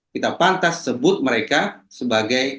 kita pantas sebut mereka sebagai